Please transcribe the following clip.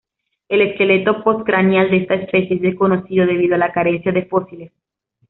El esqueleto postcraneal de esta especie es desconocido debido a la carencia de fósiles.